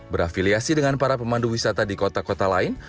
berafiliasi dengan para pemandu wisata di kota kota lain